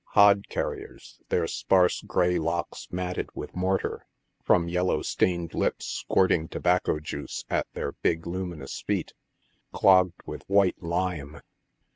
Hod carriers, their sparse, grey locks matted with mortar, from yellow stained lips squirting tobacco juice at their big, luminous feet, clogged with white lime.